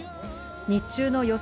日中の予想